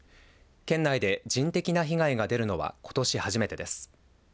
県内で人的な被害が出るのはことし初めてです。